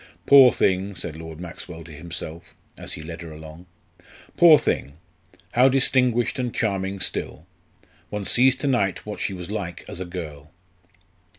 "Poor thing," said Lord Maxwell to himself as he led her along "poor thing! how distinguished and charming still! One sees to night what she was like as a girl."